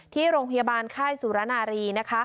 ที่โรงพยาบาลไข้สุรณารี